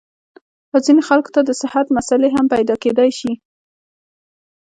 او ځينې خلکو ته د صحت مسئلې هم پېدا کېدے شي -